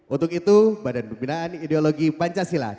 untuk itu badan pembinaan ideologi pancasila